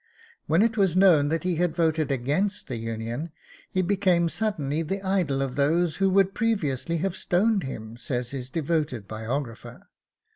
'When it was known that he had voted against the Union he became suddenly the idol of those who would previously have stoned him,' says his devoted biographer.